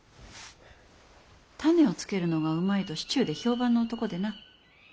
種をつけるのがうまいと市中で評判の男でな。